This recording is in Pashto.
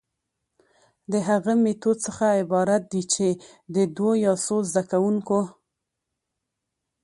د هغه ميتود څخه عبارت دي چي د دوو يا څو زده کوونکو،